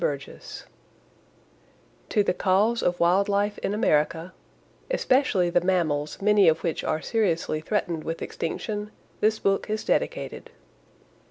Burgess TO THE CAUSE OF WILD LIFE IN AMERICA, ESPECIALLY THE MAMMALS MANY OF WHICH ARE SERIOUSLY THREATENED WITH EXTINCTION, THIS BOOK IS DEDICATED.